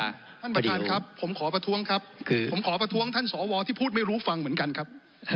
ท่านประธานครับผมขอประท้วงครับผมขอประท้วงท่านสวที่พูดไม่รู้ฟังเหมือนกันครับ